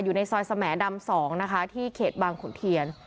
อยู่ในซอยสมดำ๒นะคะที่เขตบางขุนเทียน